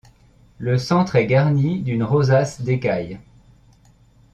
Le centre est garni d'une rosace d'écailles.